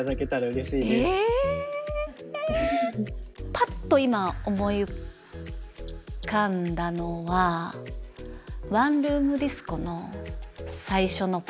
パッと今思い浮かんだのは「ワンルーム・ディスコ」の最初のポーズ。